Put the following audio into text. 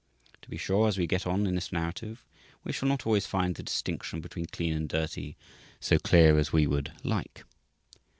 To be sure, as we get on in this narrative we shall not always find the distinction between Clean and Dirty so clear as we would like.